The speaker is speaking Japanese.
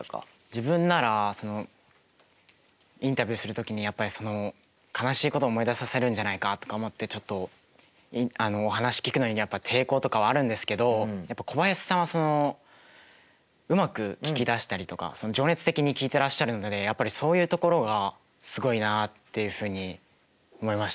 自分ならインタビューする時にやっぱりその悲しいことを思い出させるんじゃないかとか思ってちょっとお話聞くのにやっぱ抵抗とかはあるんですけど小林さんはうまく聞き出したりとか情熱的に聞いていらっしゃるのでやっぱりそういうところがすごいなっていうふうに思いました。